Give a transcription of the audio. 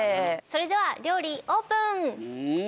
それでは料理オープン！